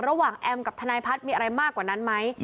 แอมกับทนายพัฒน์มีอะไรมากกว่านั้นไหม